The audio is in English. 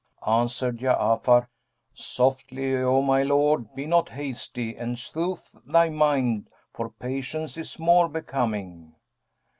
Answered Ja'afar, "Softly, O my lord, be not hasty and soothe thy mind, for patience is more becoming."